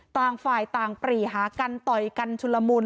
ต่างฝ่ายต่างปรีหากันต่อยกันชุลมุน